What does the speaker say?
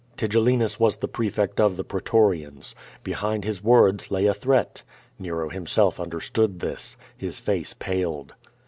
Tigellinus was the prefect of the pretorians. Behind his words lay a threat. Nero himself understood this. His face paled.